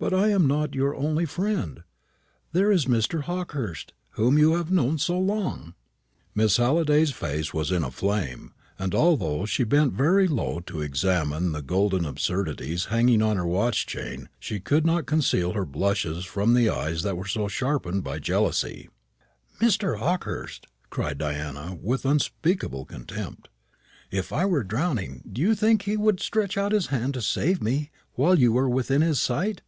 But I am not your only friend. There is Mr. Hawkehurst, whom you have known so long." Miss Halliday's face was in a flame; and although she bent very low to examine the golden absurdities hanging on her watch chain, she could not conceal her blushes from the eyes that were so sharpened by jealousy. "Mr. Hawkehurst!" cried Diana, with unspeakable contempt. "If I were drowning, do you think he would stretch out his hand to save me while you were within his sight?